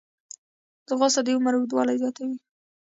ځغاسته د عمر اوږدوالی زیاتوي